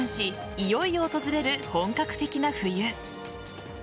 いよいよ訪れる本格的な冬。